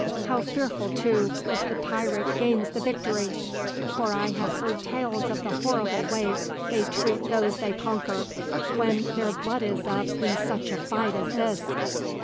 How fearful, too, if the pirate gains the victory! for I have heard tales of the horrible way they treat those they conquer, when their blood is up in such a fight as this."